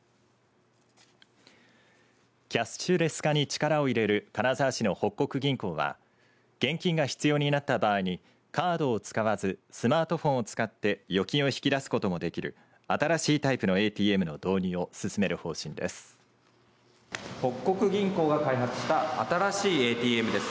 キャッシュレス化に力を入れる金沢市の北國銀行は現金が必要になった場合にカードを使わずスマートフォンを使って預金を引き出すこともできる新しいタイプのＡＴＭの導入を進める方針です。